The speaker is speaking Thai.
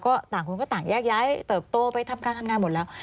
ก็ต่างคนก็ต่างแยกย้ายเติบโตไปทำการทำงานหมดแล้ว